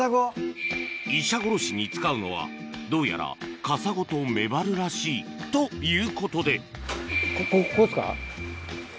イシャゴロシに使うのはどうやらカサゴとメバルらしいということでここですか？